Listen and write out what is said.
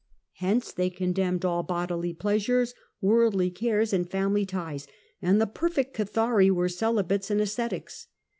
Hence they condemned all bodily pleasures, worldly cares and family ties, and the " perfect " Cathari were celibates and ascetics.